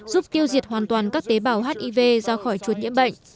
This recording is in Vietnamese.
giúp tiêu diệt hoàn toàn các tế bào hiv ra khỏi chuột nhiễm bệnh